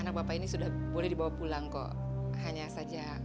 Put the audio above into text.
anak bapak ini sudah boleh dibawa pulang kok hanya aja kekakuan itu saja kok